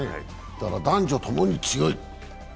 だから男女ともに強い。